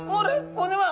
これは。